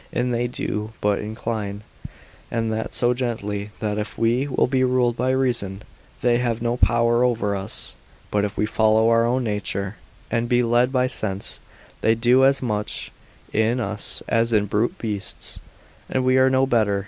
I say they do but incline, and that so gently, that if we will be ruled by reason, they have no power over us; but if we follow our own nature, and be led by sense, they do as much in us as in brute beasts, and we are no better.